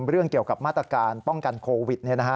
เรื่องเกี่ยวกับมาตรการป้องกันโควิด